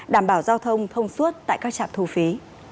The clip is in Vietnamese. đảm bảo giao thông thông suốt tại các trạm thu phí